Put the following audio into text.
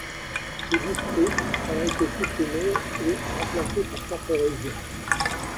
Ces districts ont été supprimés le et remplacés par quatre régions.